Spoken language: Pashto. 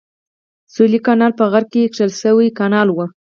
سویلي کانال په غره کې کښل شوی کانال و.